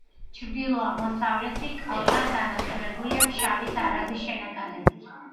ჩრდილოეთ-აღმოსავლეთი კალთა დანაწევრებულია ფშავის არაგვის შენაკადებით.